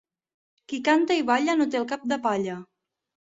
Qui canta i balla no té el cap de palla.